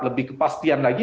lebih kepastian lagi